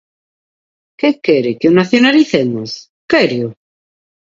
¿Que quere?, ¿que o nacionalicemos?, ¿quéreo?